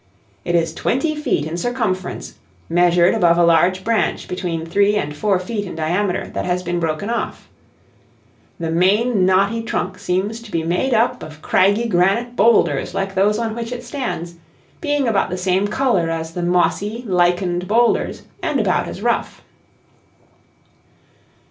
It is twenty feet in circumference, measured above a large branch between three and four feet in diameter that has been broken off. The main knotty trunk seems to be made up of craggy granite boulders like those on which it stands, being about the same color as the mossy, lichened boulders and about as rough.